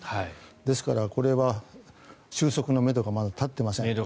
ですから、これは収束のめどがまだ立っていません。